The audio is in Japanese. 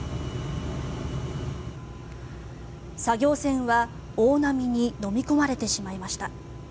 作業船は大波にのみ込まれてしまいました。